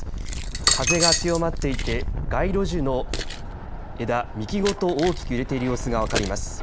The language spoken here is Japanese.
風が強まっていて街路樹の枝幹ごと大きく揺れている様子が分かります。